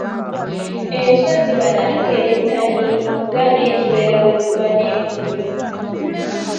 Enswa ziba na nkerettanyi nga n’enswera bwe ziba n'envunyu.